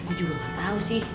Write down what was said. gue juga gak tau sih